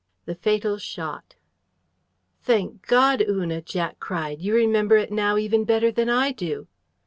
THE FATAL SHOT "Thank God, Una," Jack cried, "you remember it now even better than I do!"